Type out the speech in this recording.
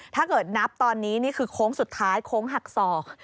ถ้าเกิดนับตอนนี้นี่คือโค้งสุดท้ายโค้งหักศอก